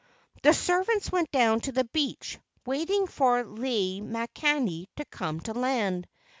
The servants went down to the beach, waiting for Lei makani to come to land.